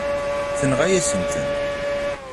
Tenɣa-yasent-ten.